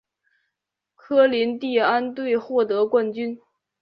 科林蒂安队获得冠军。